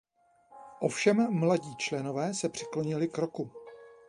Ovšem mladí členové se přiklonili k rocku.